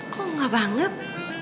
kok gak banget